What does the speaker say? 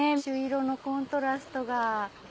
朱色のコントラストが。